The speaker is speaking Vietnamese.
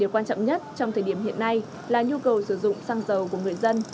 điều quan trọng nhất trong thời điểm hiện nay là nhu cầu sử dụng xăng dầu của người dân